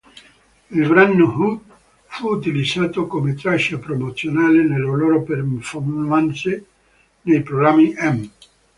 Il brano "HuH" fu utilizzato come traccia promozionale nelle loro performance nei programmi "M!